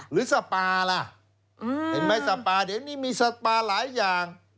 หรือสปาล่ะเดี๋ยวนี้มีสปาหลายอย่าง